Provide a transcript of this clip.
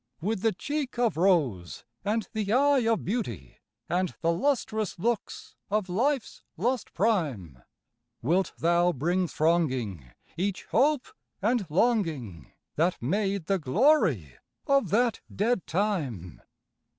With the cheek of rose and the eye of beauty, And the lustrous looks of life's lost prime, Wilt thou bring thronging each hope and longing That made the glory of that dead Time?